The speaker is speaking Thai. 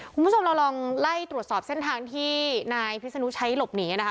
คุณผู้ชมเราลองไล่ตรวจสอบเส้นทางที่นายพิศนุใช้หลบหนีนะคะ